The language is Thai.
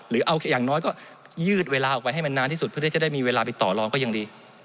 หรือเอาอย่างน้อยก็ยืดเวลาออกไปให้มันนานที่สุดเพื่อที่จะได้มีเวลาไปต่อรองก็ยังดี